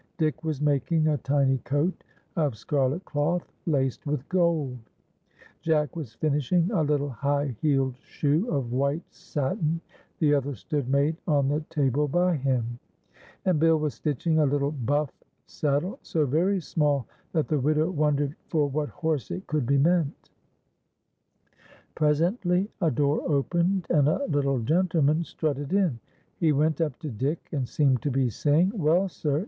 Dick was making a tiny coat of scarlet clo'th, laced with gold ; Jack was finishing a little high heeled shoe of white satin, the other stood made on the table by him ; and Bill was stitching a little buff saddle, so very small that the widow wondered for what horse it could be meant. TjPS Y 'S SIL VKR BELL. 1 4 1 Presently a door opened and a little L,^entlenian strutted in. lie went up to Dick, and seemed to be sayinfif : "Well. sir.